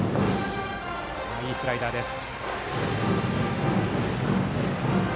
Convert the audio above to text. いいスライダーです。